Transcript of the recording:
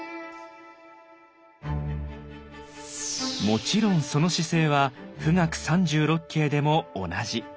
もちろんその姿勢は「冨嶽三十六景」でも同じ。